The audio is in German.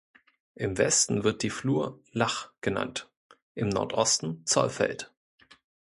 Im Westen wird die Flur Lach genannt, im Nordosten Zollfeld.